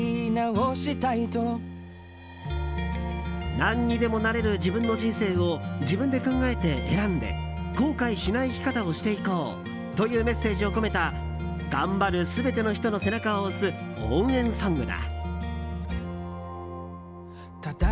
何にでもなれる自分の人生を自分で考えて選んで後悔しない生き方をしていこうというメッセージを込めた頑張る全ての人の背中を押す応援ソングだ。